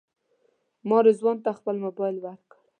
ما رضوان ته خپل موبایل ورکړ.